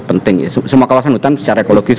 penting ya semua kawasan hutan secara ekologis